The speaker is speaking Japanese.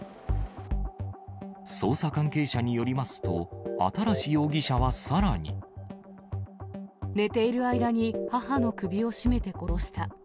捜査関係者によりますと、新容疑者はさらに。寝ている間に母の首を絞めて殺した。